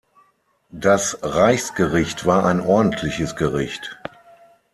Das Reichsgericht war ein ordentliches Gericht.